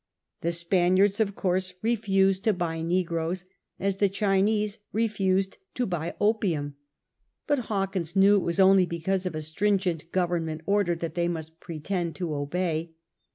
The Spaniards of course refused to buy negroes, as the Chinese refused to buy opium ; but Hawkins knew it was only because of a stringent Govemment order that they must pretend to obey.